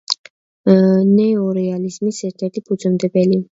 ნეორეალიზმის ერთ-ერთი ფუძემდებელი.